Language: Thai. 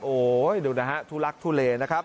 โอ้โหดูนะฮะทุลักทุเลนะครับ